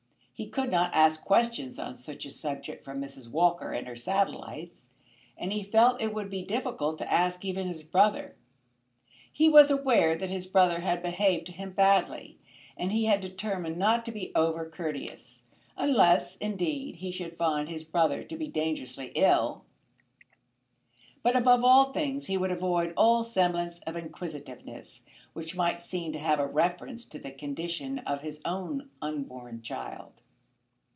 He could not ask questions on such a subject from Mrs. Walker and her satellites; and he felt that it would be difficult to ask even his brother. He was aware that his brother had behaved to him badly, and he had determined not to be over courteous, unless, indeed, he should find his brother to be dangerously ill. But above all things he would avoid all semblance of inquisitiveness which might seem to have a reference to the condition of his own unborn child.